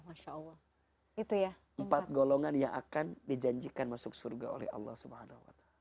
masya allah itu ya empat golongan yang akan dijanjikan masuk surga oleh allah swt